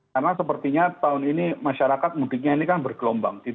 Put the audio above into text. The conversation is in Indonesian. karena sepertinya tahun ini masyarakat mudiknya ini kan bergelombang